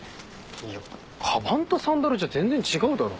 いやかばんとサンダルじゃ全然違うだろ。